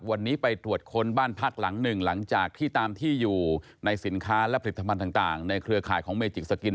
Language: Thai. วันนี้ไปตรวจค้นบ้านพักหลังหนึ่งหลังจากที่ตามที่อยู่ในสินค้าและผลิตภัณฑ์ต่างในเครือข่ายของเมจิกสกิน